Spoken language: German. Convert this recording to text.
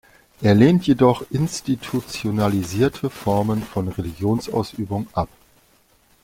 Er lehnt jedoch institutionalisierte Formen von Religionsausübung ab.